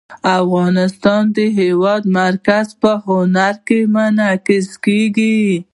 افغانستان کې د هېواد مرکز په هنر کې منعکس کېږي.